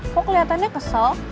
kok kelihatannya kesel